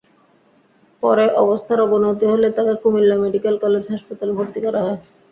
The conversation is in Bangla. পরে অবস্থার অবনতি হলে তাঁকে কুমিল্লা মেডিকেল কলেজ হাসপাতালে ভর্তি করা হয়।